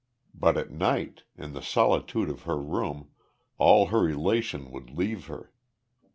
But at night, in the solitude of her room, all her elation would leave her.